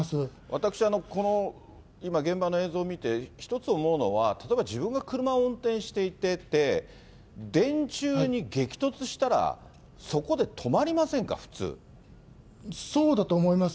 私、今、この現場の映像見て、一つ思うのは、例えば自分が車を運転していてて、電柱に激突したら、そうだと思います。